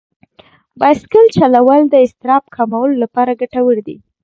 بایسکل چلول د اضطراب کمولو لپاره ګټور دي.